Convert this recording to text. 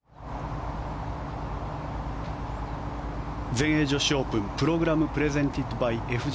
全英女子オープンＰｒｏｇｒａｍｐｒｅｓｅｎｔｅｄｂｙＦＪ